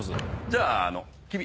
じゃあ君。